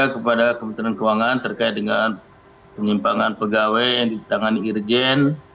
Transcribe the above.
kepada kementerian keuangan terkait dengan penyimpangan pegawai yang ditangani irjen